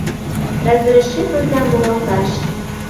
Разрешитлыза муралташ